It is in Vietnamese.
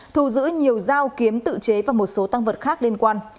thu giữ nhiều dao kiếm tự chế và một số tăng vật khác liên quan